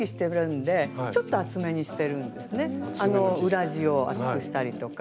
裏地を厚くしたりとか。